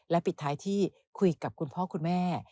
ปิดท้ายที่คุยกับคุณพ่อคุณแม่